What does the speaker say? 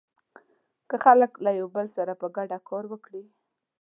که خلک له يو بل سره په ګډه کار وکړي.